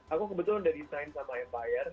aku kebetulan udah design sama empire